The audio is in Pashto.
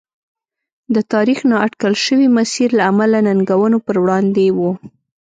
د تاریخ نااټکل شوي مسیر له امله ننګونو پر وړاندې و.